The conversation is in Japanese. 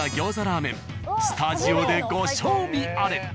ラーメンスタジオでご賞味あれ。